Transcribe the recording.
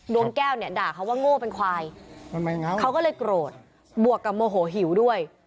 ดวงแก้วเนี่ยด่าเขาว่าโง่เป็นควายเขาก็เลยโกรธบวกกับโมโหหิวด้วย